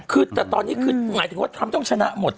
คือแต่ตอนนี้คือหมายถึงว่าทรัมป์ต้องชนะหมด